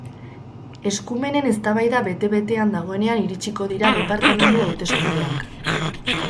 Eskumenen eztabaida bete-betean dagoenean iritsiko dira departamendu hauteskundeak.